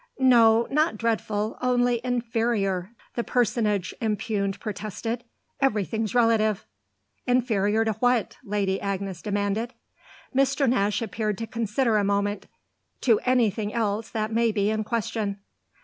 "No, not dreadful only inferior," the personage impugned protested. "Everything's relative." "Inferior to what?" Lady Agnes demanded. Mr. Nash appeared to consider a moment. "To anything else that may be in question."